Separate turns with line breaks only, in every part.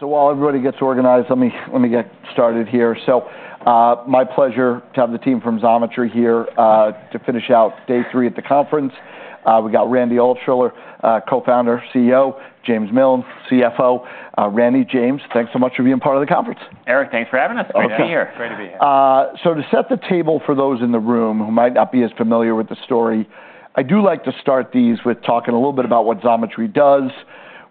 While everybody gets organized, let me get started here. My pleasure to have the team from Xometry here to finish out day three at the conference. We got Randy Altschuler, co-founder, CEO, James Miln, CFO. Randy, James, thanks so much for being part of the conference.
Eric, thanks for having us. Yeah. Great to be here. Great to be here. To set the table for those in the room who might not be as familiar with the story, I do like to start these with talking a little bit about what Xometry does,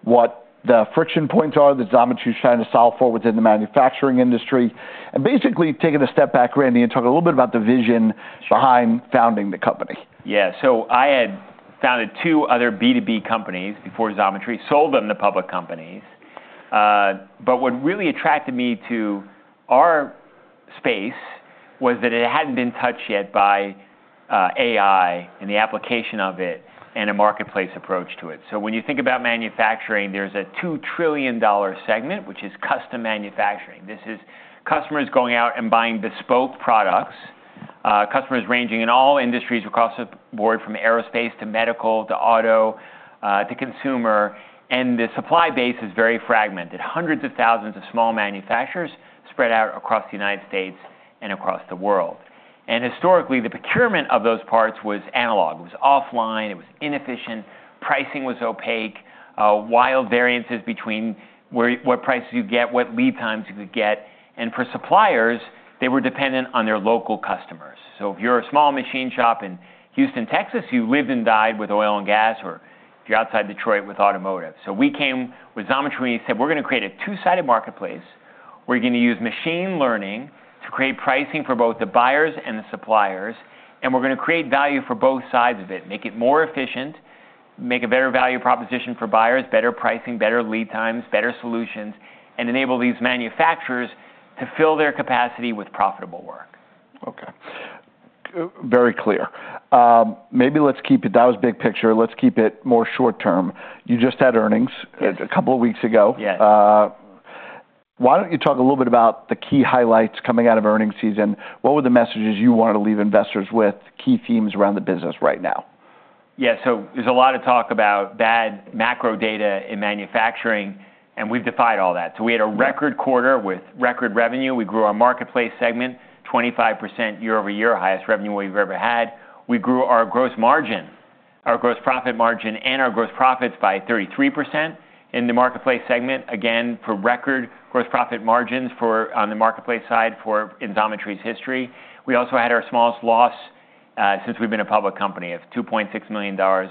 what the friction points are that Xometry is trying to solve for within the manufacturing industry, and basically taking a step back, Randy, and talk a little bit about the vision. Sure Behind founding the company. Yeah. So I had founded two other B2B companies before Xometry, sold them to public companies. But what really attracted me to our space was that it hadn't been touched yet by AI and the application of it and a marketplace approach to it. So when you think about manufacturing, there's a $2 trillion segment, which is custom manufacturing. This is customers going out and buying bespoke products, customers ranging in all industries across the board, from aerospace to medical, to auto, to consumer, and the supply base is very fragmented. Hundreds of thousands of small manufacturers spread out across the United States and across the world. And historically, the procurement of those parts was analog. It was offline, it was inefficient, pricing was opaque, wild variances between what prices you get, what lead times you could get. And for suppliers, they were dependent on their local customers. So if you're a small machine shop in Houston, Texas, you lived and died with oil and gas, or if you're outside Detroit, with automotive. So we came with Xometry and said, "We're gonna create a two-sided marketplace. We're gonna use machine learning to create pricing for both the buyers and the suppliers, and we're gonna create value for both sides of it, make it more efficient, make a better value proposition for buyers, better pricing, better lead times, better solutions, and enable these manufacturers to fill their capacity with profitable work. Okay. Very clear. Maybe let's keep it. That was big picture. Let's keep it more short term. You just had earnings- Yes a couple of weeks ago. Yes. Why don't you talk a little bit about the key highlights coming out of earnings season? What were the messages you wanted to leave investors with, key themes around the business right now? Yeah. So there's a lot of talk about bad macro data in manufacturing, and we've defied all that. Yeah. So we had a record quarter with record revenue. We grew our marketplace segment 25% year over year, highest revenue we've ever had. We grew our gross margin, our gross profit margin, and our gross profits by 33% in the marketplace segment, again, for record gross profit margins for-- on the marketplace side, for in Xometry's history. We also had our smallest loss since we've been a public company, of $2.6 million of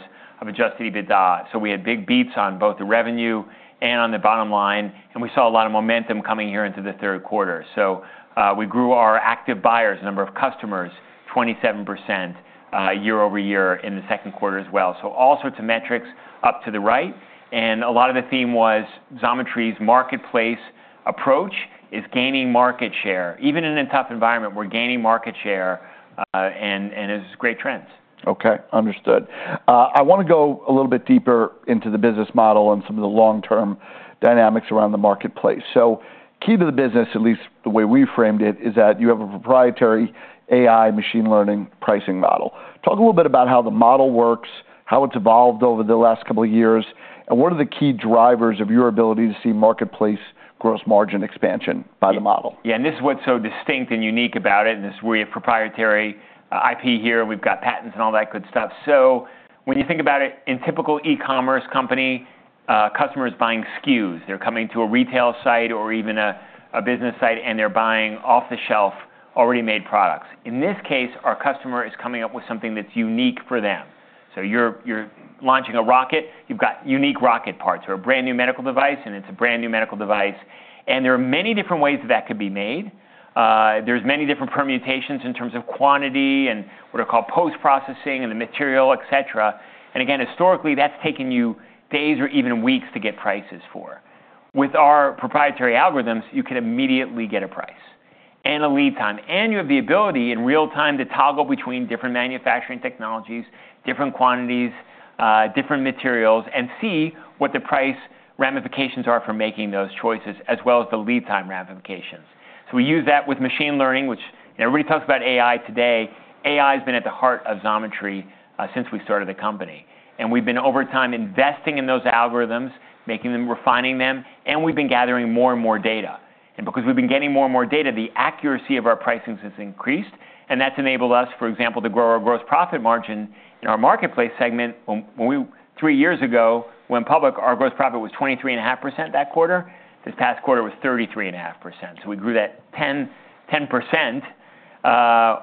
Adjusted EBITDA. So we had big beats on both the revenue and on the bottom line, and we saw a lot of momentum coming here into the third quarter. So, we grew our active buyers, number of customers, 27% year over year in the second quarter as well. All sorts of metrics up to the right, and a lot of the theme was Xometry's marketplace approach is gaining market share. Even in a tough environment, we're gaining market share, and it's great trends. Okay, understood. I wanna go a little bit deeper into the business model and some of the long-term dynamics around the marketplace. So key to the business, at least the way we framed it, is that you have a proprietary AI machine learning pricing model. Talk a little bit about how the model works, how it's evolved over the last couple of years, and what are the key drivers of your ability to see marketplace gross margin expansion by the model? Yeah, and this is what's so distinct and unique about it, and this is where we have proprietary IP here, and we've got patents and all that good stuff. So when you think about it, in typical e-commerce company, customer is buying SKUs. They're coming to a retail site or even a business site, and they're buying off-the-shelf, already-made products. In this case, our customer is coming up with something that's unique for them. So you're launching a rocket. You've got unique rocket parts or a brand-new medical device, and it's a brand-new medical device, and there are many different ways that could be made. There's many different permutations in terms of quantity and what are called post-processing and the material, et cetera. And again, historically, that's taken you days or even weeks to get prices for. With our proprietary algorithms, you can immediately get a price and a lead time, and you have the ability, in real time, to toggle between different manufacturing technologies, different quantities, different materials, and see what the price ramifications are for making those choices, as well as the lead time ramifications. So we use that with machine learning, which... Everybody talks about AI today. AI has been at the heart of Xometry since we started the company. And we've been, over time, investing in those algorithms, making them, refining them, and we've been gathering more and more data. And because we've been getting more and more data, the accuracy of our pricings has increased, and that's enabled us, for example, to grow our gross profit margin in our marketplace segment. Three years ago, when public, our gross profit was 23.5% that quarter. This past quarter, it was 33.5%. So we grew that 10%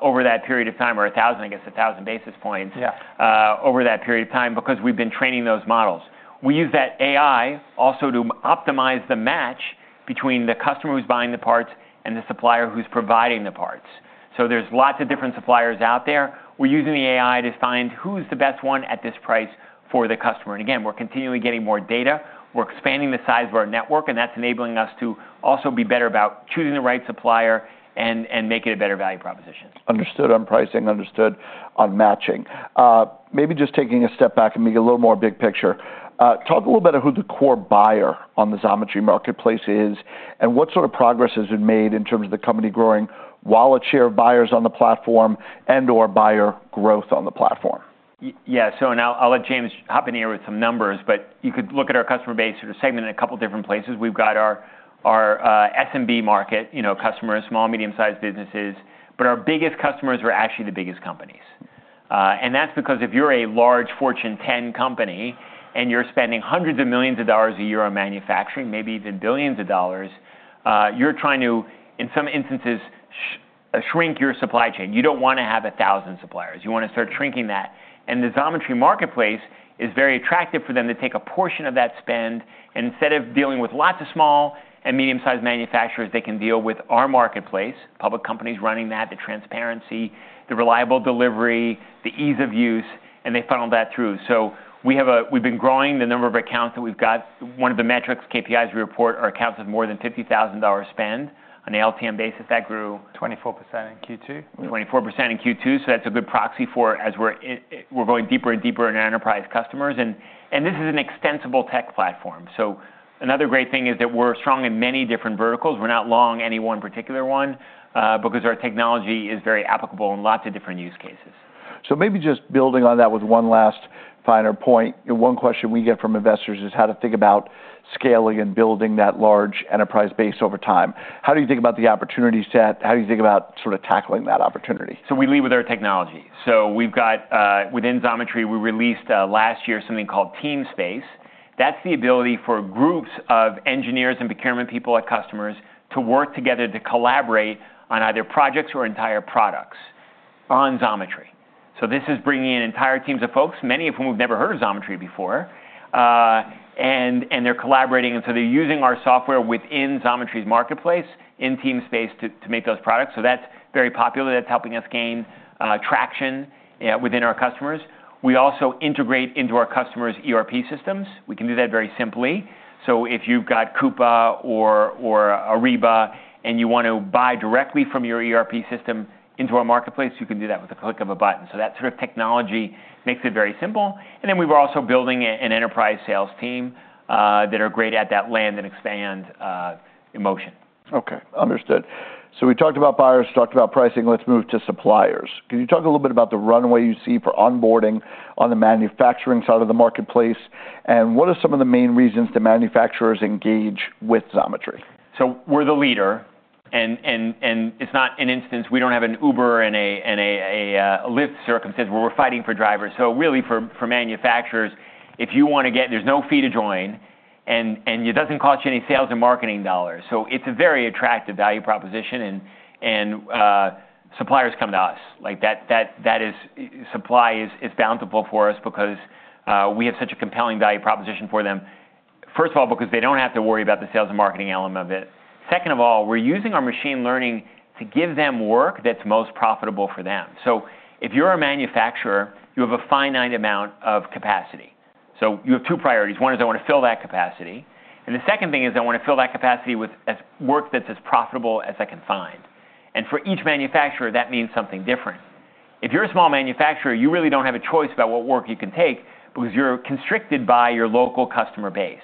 over that period of time, or 1,000, I guess, basis points- Yeah... over that period of time, because we've been training those models. We use that AI also to optimize the match between the customer who's buying the parts and the supplier who's providing the parts. So there's lots of different suppliers out there. We're using the AI to find who's the best one at this price for the customer. And again, we're continually getting more data. We're expanding the size of our network, and that's enabling us to also be better about choosing the right supplier and making a better value proposition. Understood on pricing, understood on matching. Maybe just taking a step back and being a little more big picture, talk a little about who the core buyer on the Xometry marketplace is, and what sort of progress has been made in terms of the company growing wallet share of buyers on the platform and/or buyer growth on the platform? Yeah, so and I'll let James hop in here with some numbers, but you could look at our customer base sort of segment in a couple different places. We've got our SMB market, you know, customers, small, medium-sized businesses, but our biggest customers are actually the biggest companies. And that's because if you're a large Fortune 10 company, and you're spending hundreds of millions of dollars a year on manufacturing, maybe even billions of dollars, you're trying to, in some instances, shrink your supply chain. You don't wanna have a thousand suppliers. You wanna start shrinking that. The Xometry marketplace is very attractive for them to take a portion of that spend, and instead of dealing with lots of small and medium-sized manufacturers, they can deal with our marketplace, public companies running that, the transparency, the reliable delivery, the ease of use, and they funnel that through. So we've been growing the number of accounts that we've got. One of the metrics, KPIs we report are accounts of more than $50,000 spend. On a LTM basis, that grew-
24% in Q2.
24% in Q2, so that's a good proxy for as we're going deeper and deeper in our enterprise customers. And this is an extensible tech platform. So another great thing is that we're strong in many different verticals. We're not long any one particular one, because our technology is very applicable in lots of different use cases. So maybe just building on that with one last finer point, and one question we get from investors is how to think about scaling and building that large enterprise base over time. How do you think about the opportunity set? How do you think about sort of tackling that opportunity? We lead with our technology. We've got within Xometry, we released last year, something called Teamspace. That's the ability for groups of engineers and procurement people or customers to work together to collaborate on either projects or entire products on Xometry. This is bringing in entire teams of folks, many of whom have never heard of Xometry before. And they're collaborating, and so they're using our software within Xometry's marketplace, in Teamspace, to make those products. That's very popular. That's helping us gain traction within our customers. We also integrate into our customers' ERP systems. We can do that very simply. If you've got Coupa or Ariba, and you want to buy directly from your ERP system into our marketplace, you can do that with a click of a button. That sort of technology makes it very simple, and then we're also building an enterprise sales team that are great at that land-and-expand motion. Okay, understood. So we talked about buyers, talked about pricing. Let's move to suppliers. Can you talk a little bit about the runway you see for onboarding on the manufacturing side of the marketplace? And what are some of the main reasons that manufacturers engage with Xometry? We're the leader, and it's not an instance. We don't have an Uber and a Lyft circumstance where we're fighting for drivers. So really, for manufacturers, if you wanna get... There's no fee to join, and it doesn't cost you any sales and marketing dollars. So it's a very attractive value proposition, and suppliers come to us. Like, that is supply is bountiful for us because we have such a compelling value proposition for them. First of all, because they don't have to worry about the sales and marketing element of it. Second of all, we're using our machine learning to give them work that's most profitable for them. So if you're a manufacturer, you have a finite amount of capacity. So you have two priorities. One is, I wanna fill that capacity, and the second thing is, I wanna fill that capacity with work that's as profitable as I can find. And for each manufacturer, that means something different. If you're a small manufacturer, you really don't have a choice about what work you can take because you're constricted by your local customer base.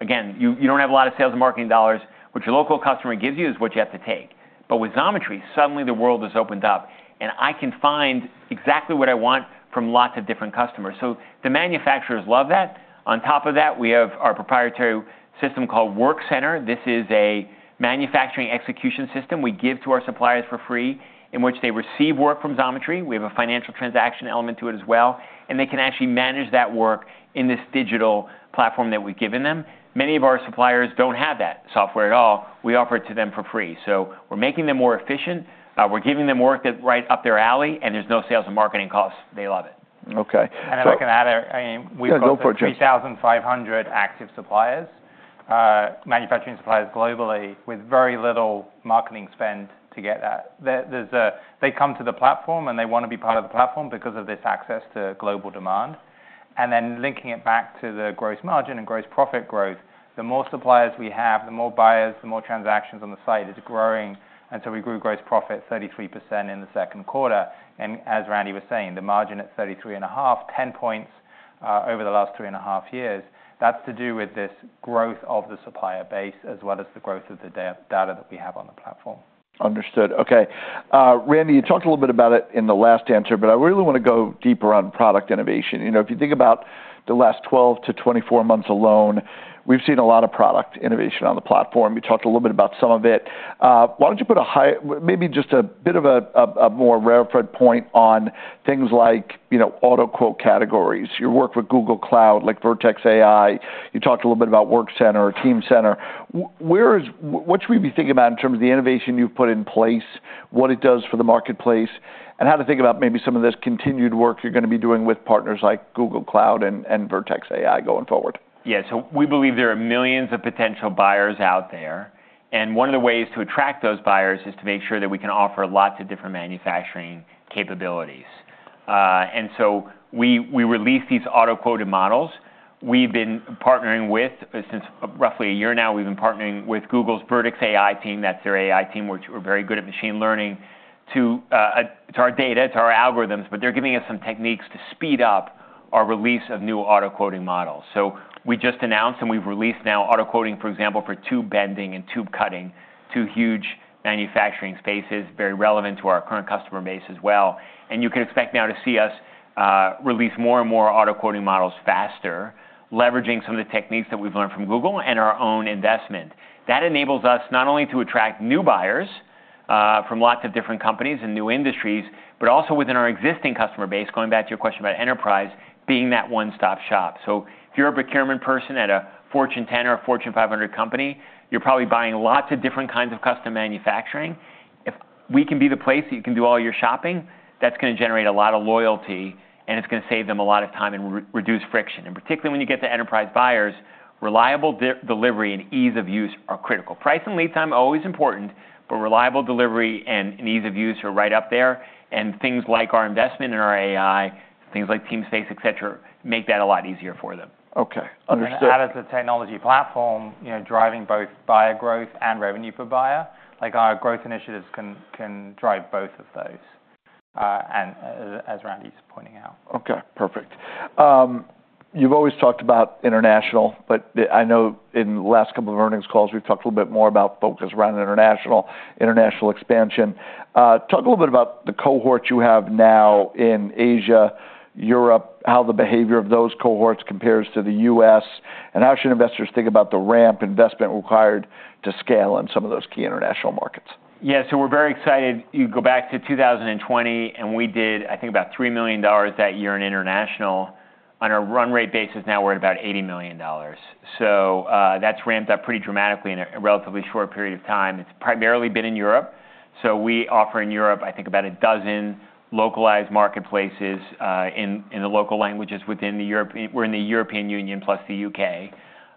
Again, you don't have a lot of sales and marketing dollars. What your local customer gives you is what you have to take. But with Xometry, suddenly the world has opened up, and I can find exactly what I want from lots of different customers. So the manufacturers love that. On top of that, we have our proprietary system called Workcenter. This is a manufacturing execution system we give to our suppliers for free, in which they receive work from Xometry. We have a financial transaction element to it as well, and they can actually manage that work in this digital platform that we've given them. Many of our suppliers don't have that software at all. We offer it to them for free. So we're making them more efficient, we're giving them work that's right up their alley, and there's no sales and marketing costs. They love it. Okay, so-
And if I can add, I mean- Yeah, go for it, James. We've got three thousand five hundred active suppliers, manufacturing suppliers globally with very little marketing spend to get that. They come to the platform, and they wanna be part of the platform because of this access to global demand. And then linking it back to the gross margin and gross profit growth, the more suppliers we have, the more buyers, the more transactions on the site is growing, and so we grew gross profit 33% in the second quarter. And as Randy was saying, the margin at 33.5, 10 points over the last three and a half years, that's to do with this growth of the supplier base, as well as the growth of the data that we have on the platform. Understood. Okay. Randy, you talked a little bit about it in the last answer, but I really wanna go deeper on product innovation. You know, if you think about the last 12-24 months alone, we've seen a lot of product innovation on the platform. You talked a little bit about some of it. Why don't you put a high-level maybe just a bit of a more upfront point on things like, you know, auto quote categories, your work with Google Cloud, like Vertex AI. You talked a little bit about Workcenter or Teamspace. Where is... What should we be thinking about in terms of the innovation you've put in place, what it does for the marketplace, and how to think about maybe some of this continued work you're gonna be doing with partners like Google Cloud and Vertex AI going forward?
Yeah. So we believe there are millions of potential buyers out there, and one of the ways to attract those buyers is to make sure that we can offer lots of different manufacturing capabilities. And so we released these auto quoted models. We've been partnering with Google's Vertex AI team since roughly a year now. That's their AI team, which are very good at machine learning, to our data, to our algorithms, but they're giving us some techniques to speed up our release of new auto quoting models. So we just announced, and we've released now auto quoting, for example, for tube bending and tube cutting, two huge manufacturing spaces, very relevant to our current customer base as well. You can expect now to see us release more and more auto quoting models faster, leveraging some of the techniques that we've learned from Google and our own investment. That enables us not only to attract new buyers from lots of different companies and new industries, but also within our existing customer base, going back to your question about enterprise being that one-stop shop. So if you're a procurement person at a Fortune 10 or a Fortune 500 company, you're probably buying lots of different kinds of custom manufacturing. If we can be the place that you can do all your shopping, that's gonna generate a lot of loyalty, and it's gonna save them a lot of time and reduce friction. And particularly when you get to enterprise buyers, reliable delivery and ease of use are critical. Price and lead time are always important, but reliable delivery and ease of use are right up there, and things like our investment in our AI, things like Teamspace, et cetera, make that a lot easier for them. Okay, understood. And then add as a technology platform, you know, driving both buyer growth and revenue per buyer, like, our growth initiatives can drive both of those, and as Randy's pointing out. Okay, perfect. You've always talked about international, but I know in the last couple of earnings calls, we've talked a little bit more about focus around international, international expansion. Talk a little bit about the cohorts you have now in Asia, Europe, how the behavior of those cohorts compares to the US, and how should investors think about the ramp investment required to scale in some of those key international markets? Yeah, so we're very excited. You go back to 2020, and we did, I think, about $3 million that year in international. On a run rate basis, now we're at about $80 million. So, that's ramped up pretty dramatically in a relatively short period of time. It's primarily been in Europe, so we offer in Europe, I think, about a dozen localized marketplaces, in the local languages within the European-- we're in the European Union plus the U.K.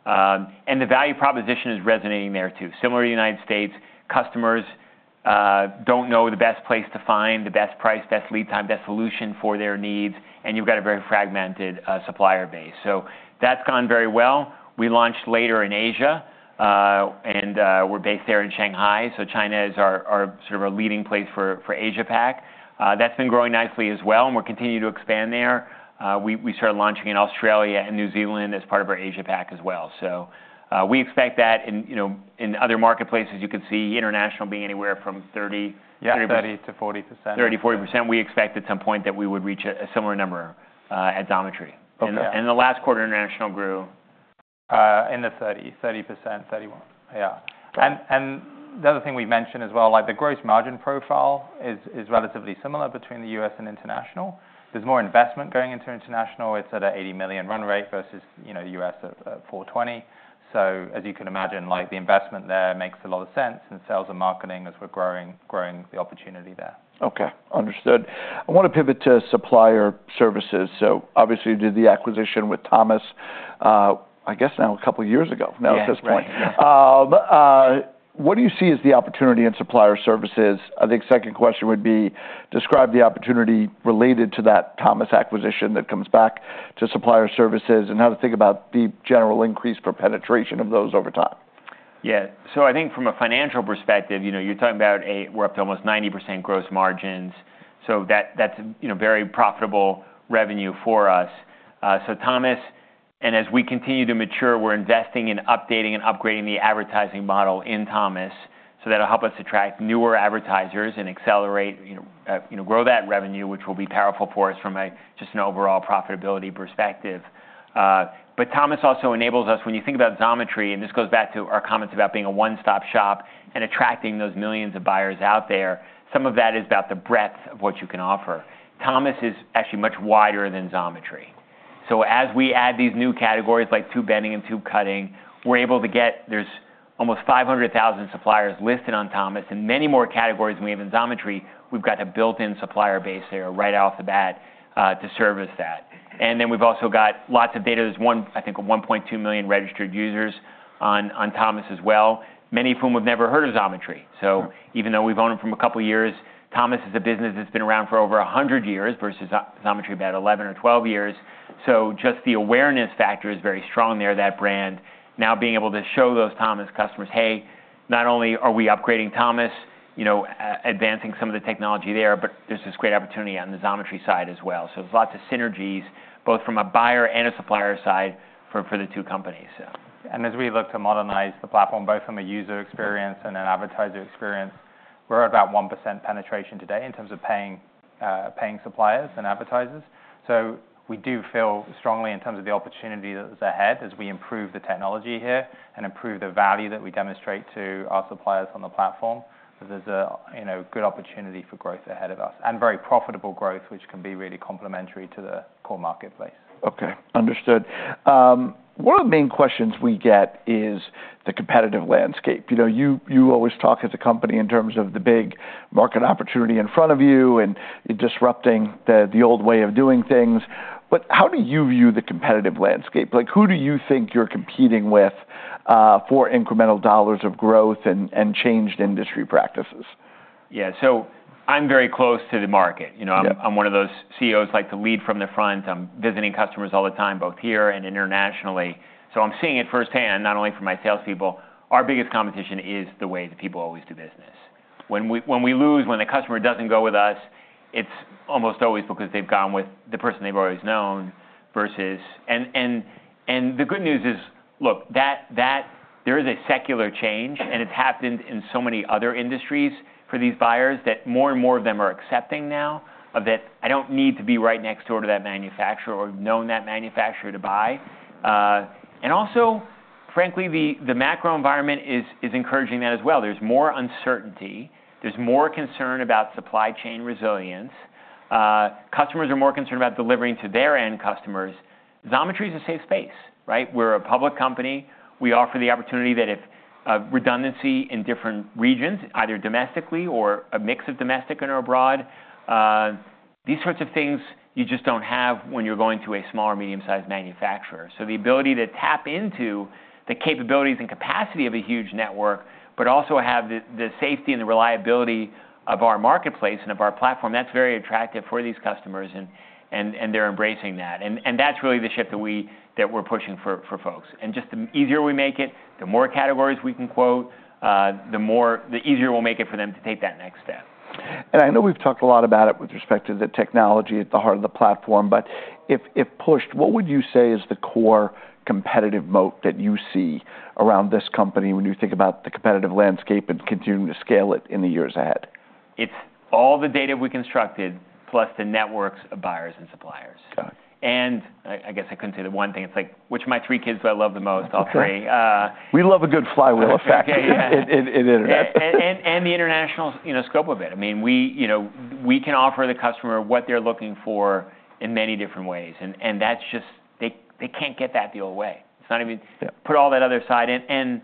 And the value proposition is resonating there, too. Similar to the United States, customers don't know the best place to find the best price, best lead time, best solution for their needs, and you've got a very fragmented supplier base. So that's gone very well. We launched later in Asia, and we're based there in Shanghai, so China is our sort of leading place for Asia-Pac. That's been growing nicely as well, and we're continuing to expand there. We started launching in Australia and New Zealand as part of our Asia-Pac as well. We expect that in, you know, in other marketplaces, you could see international being anywhere from thirty-
Yeah, 30%-40%.
30%-40%. We expect at some point that we would reach a similar number at Xometry. Okay. In the last quarter, international grew...
In the 30-31%.
Yeah.
And the other thing we've mentioned as well, like, the gross margin profile is relatively similar between the U.S. and international. There's more investment going into international. It's at a $80 million run rate versus, you know, the U.S. at $420. So as you can imagine, like, the investment there makes a lot of sense, and sales and marketing, as we're growing the opportunity there. Okay, understood. I wanna pivot to supplier services. So obviously, you did the acquisition with Thomas, I guess now a couple of years ago.
Yeah, right... now, at this point. What do you see as the opportunity in supplier services? I think second question would be, describe the opportunity related to that Thomas acquisition that comes back to supplier services and how to think about the general increase for penetration of those over time. Yeah. So I think from a financial perspective, you know, you're talking about we're up to almost 90% gross margins, so that's, you know, very profitable revenue for us. So Thomas and as we continue to mature, we're investing in updating and upgrading the advertising model in Thomas, so that'll help us attract newer advertisers and accelerate, you know, grow that revenue, which will be powerful for us from a, just an overall profitability perspective. But Thomas also enables us when you think about Xometry, and this goes back to our comments about being a one-stop shop and attracting those millions of buyers out there, some of that is about the breadth of what you can offer. Thomas is actually much wider than Xometry. As we add these new categories, like tube bending and tube cutting, we're able to get. There's almost five hundred thousand suppliers listed on Thomas, and many more categories than we have in Xometry. We've got a built-in supplier base there right off the bat to service that. And then we've also got lots of data. There's, I think, one point two million registered users on Thomas as well, many of whom have never heard of Xometry. Right. Even though we've owned them for a couple of years, Thomas is a business that's been around for over a hundred years versus Xometry, about eleven or twelve years. So just the awareness factor is very strong there. That brand now being able to show those Thomas customers, "Hey, not only are we upgrading Thomas, you know, advancing some of the technology there, but there's this great opportunity on the Xometry side as well." So there's lots of synergies, both from a buyer and a supplier side for the two companies, so.
And as we look to modernize the platform, both from a user experience and an advertiser experience, we're at about 1% penetration today in terms of paying suppliers and advertisers. So we do feel strongly in terms of the opportunity that is ahead as we improve the technology here and improve the value that we demonstrate to our suppliers on the platform, that there's a, you know, good opportunity for growth ahead of us, and very profitable growth, which can be really complementary to the core marketplace. Okay, understood. One of the main questions we get is the competitive landscape. You know, you always talk as a company in terms of the big market opportunity in front of you and disrupting the old way of doing things. But how do you view the competitive landscape? Like, who do you think you're competing with for incremental dollars of growth and changed industry practices?
Yeah, so I'm very close to the market. Yeah. You know, I'm one of those CEOs like to lead from the front. I'm visiting customers all the time, both here and internationally. So I'm seeing it firsthand, not only from my salespeople. Our biggest competition is the way that people always do business. When we lose, when a customer doesn't go with us, it's almost always because they've gone with the person they've always known versus. And the good news is, look, that there is a secular change, and it's happened in so many other industries for these buyers, that more and more of them are accepting now, of that I don't need to be right next door to that manufacturer or have known that manufacturer to buy. And also, frankly, the macro environment is encouraging that as well. There's more uncertainty, there's more concern about supply chain resilience. Customers are more concerned about delivering to their end customers. Xometry is a safe space, right? We're a public company. We offer the opportunity that if redundancy in different regions, either domestically or a mix of domestic and/or abroad, these sorts of things you just don't have when you're going to a small or medium-sized manufacturer. So the ability to tap into the capabilities and capacity of a huge network, but also have the safety and the reliability of our marketplace and of our platform, that's very attractive for these customers, and they're embracing that. And that's really the shift that we're pushing for folks. And just the easier we make it, the more categories we can quote, the more the easier we'll make it for them to take that next step. I know we've talked a lot about it with respect to the technology at the heart of the platform, but if, if pushed, what would you say is the core competitive moat that you see around this company when you think about the competitive landscape and continuing to scale it in the years ahead? It's all the data we constructed, plus the networks of buyers and suppliers. Got it. I guess I couldn't say the one thing. It's like, which of my three kids do I love the most? All three. We love a good flywheel effect- Yeah. in internet. And the international, you know, scope of it. I mean, we, you know, we can offer the customer what they're looking for in many different ways, and that's just... They can't get that the old way. It's not even- Yeah. Put all that other side in, and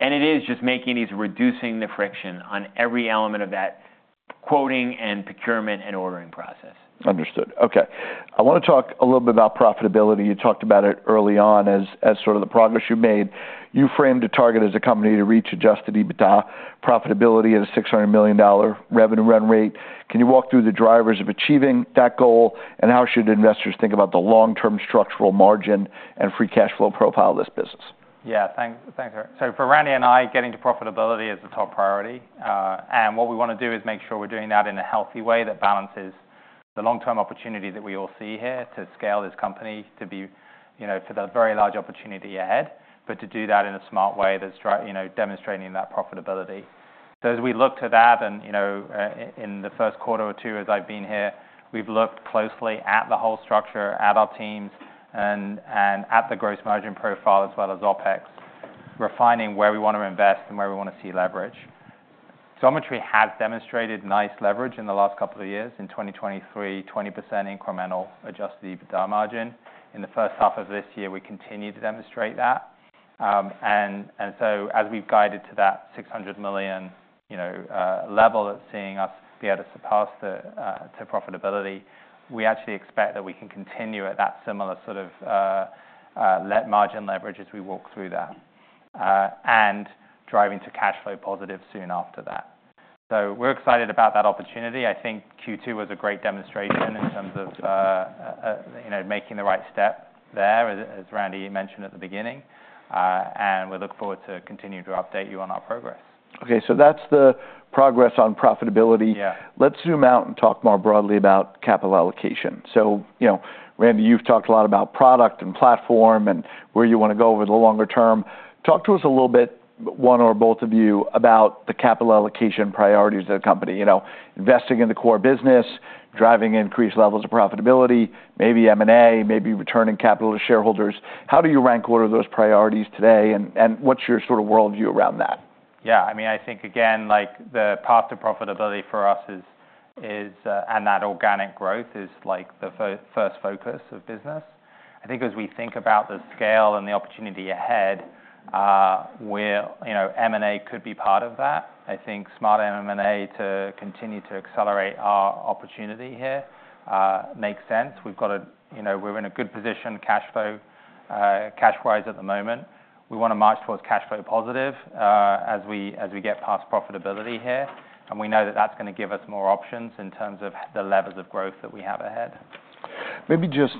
it is just making these, reducing the friction on every element of that quoting and procurement and ordering process. Understood. Okay, I wanna talk a little bit about profitability. You talked about it early on as, as sort of the progress you made. You framed a target as a company to reach Adjusted EBITDA profitability at a $600 million revenue run rate. Can you walk through the drivers of achieving that goal? And how should investors think about the long-term structural margin and free cash flow profile of this business?
Yeah. Thanks, Eric. So for Randy and I, getting to profitability is the top priority. And what we wanna do is make sure we're doing that in a healthy way that balances the long-term opportunity that we all see here, to scale this company, to be, you know, for the very large opportunity ahead, but to do that in a smart way that's, you know, demonstrating that profitability. So as we look to that, and, you know, in the first quarter or two, as I've been here, we've looked closely at the whole structure, at our teams, and at the gross margin profile, as well as OpEx, refining where we wanna invest and where we wanna see leverage. Xometry has demonstrated nice leverage in the last couple of years. In 2023, 20% incremental Adjusted EBITDA margin. In the first half of this year, we continued to demonstrate that. And so as we've guided to that $600 million, you know, level that's seeing us be able to surpass the to profitability, we actually expect that we can continue at that similar sort of margin leverage as we walk through that and driving to cash flow positive soon after that. So we're excited about that opportunity. I think Q2 was a great demonstration in terms of you know, making the right step there, as Randy mentioned at the beginning. And we look forward to continuing to update you on our progress. Okay, so that's the progress on profitability. Yeah. Let's zoom out and talk more broadly about capital allocation. So, you know, Randy, you've talked a lot about product and platform and where you wanna go over the longer term. Talk to us a little bit, one or both of you, about the capital allocation priorities of the company. You know, investing in the core business, driving increased levels of profitability, maybe M&A, maybe returning capital to shareholders. How do you rank order those priorities today, and what's your sort of worldview around that? Yeah, I mean, I think, again, like, the path to profitability for us is, and that organic growth is, like, the first focus of business. I think as we think about the scale and the opportunity ahead, we're, you know, M&A could be part of that. I think smart M&A to continue to accelerate our opportunity here, makes sense. We've got a... You know, we're in a good position, cashflow, cash-wise, at the moment. We wanna march towards cash flow positive, as we get past profitability here, and we know that that's gonna give us more options in terms of the levels of growth that we have ahead. Maybe just,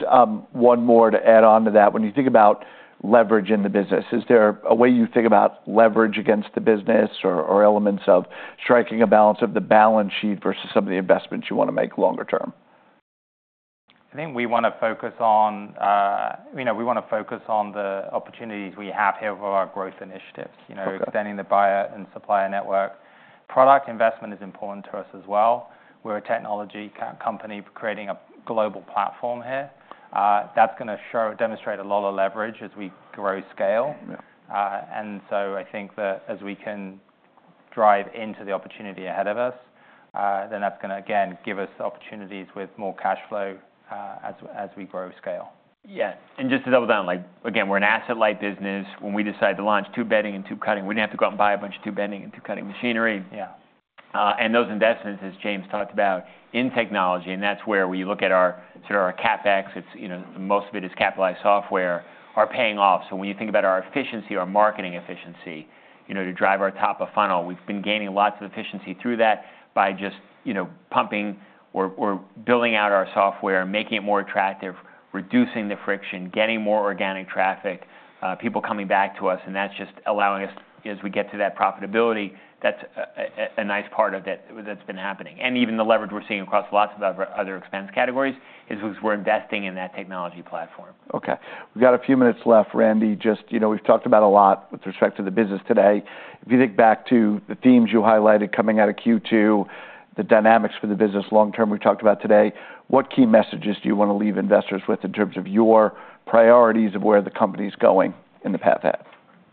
one more to add on to that. When you think about leverage in the business, is there a way you think about leverage against the business or, or elements of striking a balance of the balance sheet versus some of the investments you wanna make longer term? I think we wanna focus on, you know, the opportunities we have here for our growth initiatives- Okay. You know, extending the buyer and supplier network. Product investment is important to us as well. We're a technology company creating a global platform here. That's gonna demonstrate a lot of leverage as we grow scale. Yeah. And so I think that as we can drive into the opportunity ahead of us, then that's gonna, again, give us opportunities with more cash flow, as we grow scale.
Yeah, and just to double down, like, again, we're an asset-light business. When we decide to launch tube bending and tube cutting, we didn't have to go out and buy a bunch of tube bending and tube cutting machinery.
Yeah.
And those investments, as James talked about, in technology, and that's where when you look at our, sort of our CapEx, it's, you know, most of it is capitalized software, are paying off. So when you think about our efficiency, our marketing efficiency, you know, to drive our top of funnel, we've been gaining lots of efficiency through that by just, you know, pumping or building out our software, making it more attractive, reducing the friction, getting more organic traffic, people coming back to us, and that's just allowing us as we get to that profitability, that's a nice part of it that's been happening. And even the leverage we're seeing across lots of other expense categories is we're investing in that technology platform. Okay. We've got a few minutes left, Randy. Just, you know, we've talked about a lot with respect to the business today. If you think back to the themes you highlighted coming out of Q2, the dynamics for the business long term, we've talked about today, what key messages do you wanna leave investors with in terms of your priorities of where the company's going in the path ahead?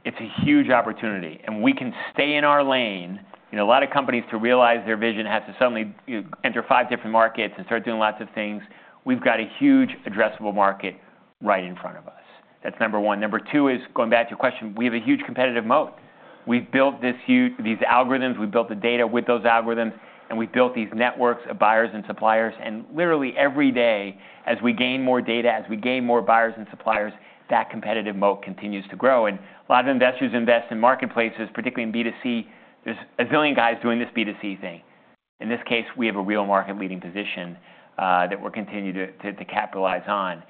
It's a huge opportunity, and we can stay in our lane. You know, a lot of companies, to realize their vision, have to suddenly enter five different markets and start doing lots of things. We've got a huge addressable market right in front of us. That's number one. Number two is, going back to your question, we have a huge competitive moat. We've built this huge these algorithms, we've built the data with those algorithms, and we've built these networks of buyers and suppliers, and literally every day, as we gain more data, as we gain more buyers and suppliers, that competitive moat continues to grow. And a lot of investors invest in marketplaces, particularly in B2C. There's a zillion guys doing this B2C thing. In this case, we have a real market-leading position that we're continuing to capitalize on.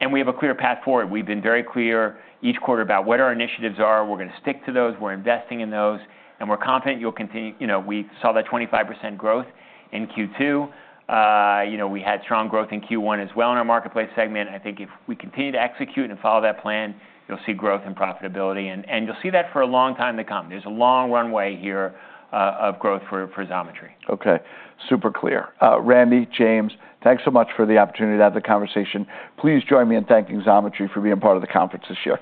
and we have a clear path forward. We've been very clear each quarter about what our initiatives are. We're gonna stick to those, we're investing in those, and we're confident you'll continue. You know, we saw that 25% growth in Q2. You know, we had strong growth in Q1 as well in our marketplace segment. I think if we continue to execute and follow that plan, you'll see growth and profitability, and you'll see that for a long time to come. There's a long runway here, of growth for Xometry. Okay. Super clear. Randy, James, thanks so much for the opportunity to have the conversation. Please join me in thanking Xometry for being part of the conference this year.